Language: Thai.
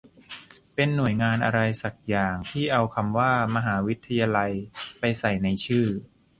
เป็นหน่วยงานอะไรสักอย่างที่เอาคำว่า "มหาวิทยาลัย" ไปใส่ในชื่อ